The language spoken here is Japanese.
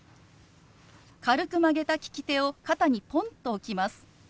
軽く曲げた利き手を肩にポンと置きます。